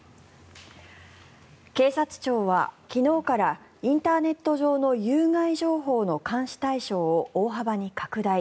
警察庁は昨日からインターネット上の有害情報の監視対象を大幅に拡大。